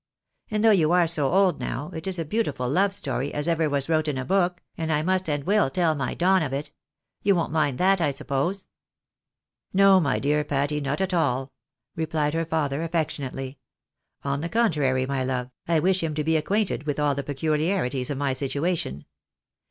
And though you are so old now, it is a beautiful love story as ever was wrote in a book, and I must and will teU my Don of it. You won't mind that I suppose ?" 12 THE BARNABYS IN AMERICA. " No, my dear Patty, not at all," replied her father, affectionately. " On the contrary, my love, I wish him to be made acquainted with all the peculiarities of my situation.